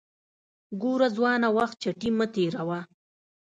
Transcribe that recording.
ګوره ځوانه وخت چټي مه تیروه